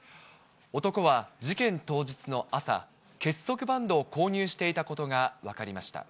男は事件当日の朝、結束バンドを購入していたことが分かりました。